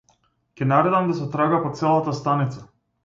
Ќе наредам да се трага по целата станица.